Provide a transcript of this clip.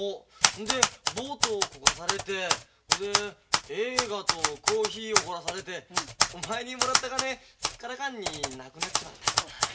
でボートをこがされてそれで映画とコーヒーおごらされてお前にもらった金すっからかんになくなっちまった。